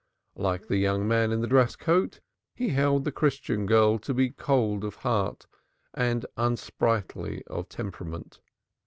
Like the young man in the dress coat, he held the Christian girl to be cold of heart, and unsprightly of temperament.